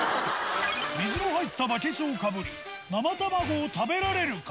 水の入ったバケツをかぶり、生卵を食べられるか。